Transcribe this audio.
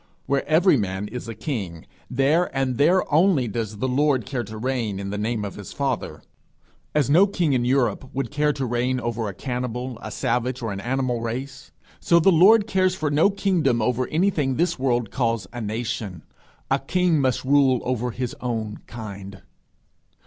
Where every man is a king, there and there only does the Lord care to reign, in the name of his father. As no king in Europe would care to reign over a cannibal, a savage, or an animal race, so the Lord cares for no kingdom over anything this world calls a nation. A king must rule over his own kind.